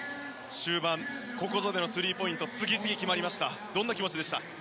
終盤、ここぞでのスリーポイントが次々決まりましたがどんな気持ちでしたか。